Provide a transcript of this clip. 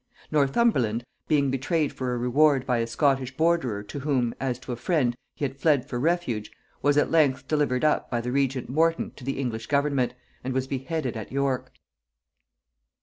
Northumberland, being betrayed for a reward by a Scottish borderer to whom, as to a friend, he had fled for refuge, was at length delivered up by the regent Morton to the English government, and was beheaded at York.